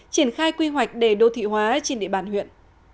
triển khai quy hoạch để đô thị hóa trên địa bàn huyện